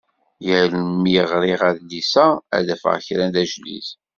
Yal mi ɣriɣ adlis-a, ad d-afeɣ kra d ajdid.